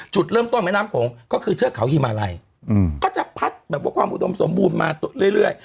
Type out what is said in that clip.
จุดเริ่มต้นแม่น้ำโขงก็คือเทือกเขาฮิมาลัยก็จะพัดแบบว่าความอุดมสมบูรณ์มาเรื่อย